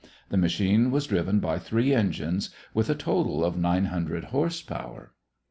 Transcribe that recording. The machine was driven by three engines with a total of 900 horse power.